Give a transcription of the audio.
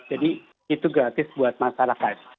jadi itu gratis buat masyarakat